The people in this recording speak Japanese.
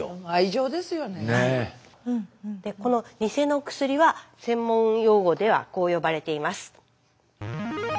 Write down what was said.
このニセの薬は専門用語ではこう呼ばれています。